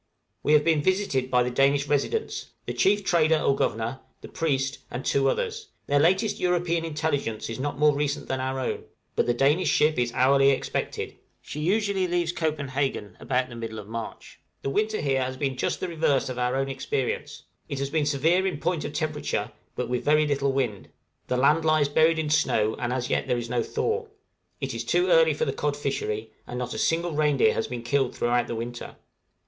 We have been visited by the Danish residents the chief trader or governor, the priest, and two others: their latest European intelligence is not more recent than our own, but the Danish ship is hourly expected; she usually leaves Copenhagen about the middle of March. The winter here has been just the reverse of our own experience; it has been severe in point of temperature, but with very little wind; the land lies buried in snow, and as yet there is no thaw; it is too early for the cod fishery, and not a single reindeer has been killed throughout the winter!